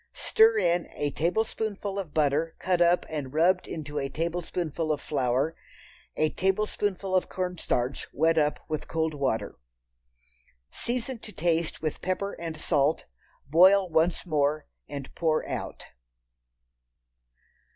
Stir in a tablespoonful of butter cut up and rubbed into a tablespoonful of flour. A tablespoonful of cornstarch wet up with cold water. Season to taste with pepper and salt, boil once more and pour out.